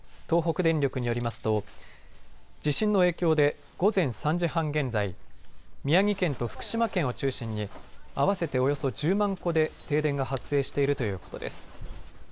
東北電力によりますと地震の影響で午前３時半現在、宮城県と福島県を中心に合わせておよそ１０万戸で停電が発生しているということです。